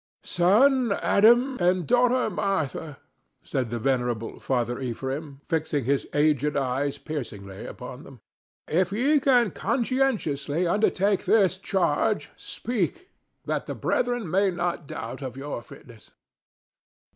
"Son Adam and daughter Martha," said the venerable Father Ephraim, fixing his aged eyes piercingly upon them, "if ye can conscientiously undertake this charge, speak, that the brethren may not doubt of your fitness."